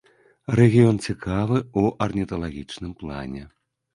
Рэгіён цікавы ў арніталагічным плане.